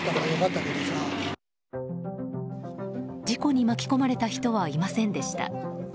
事故に巻き込まれた人はいませんでした。